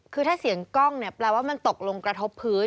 คือถ้าเสียงกล้องเนี่ยแปลว่ามันตกลงกระทบพื้น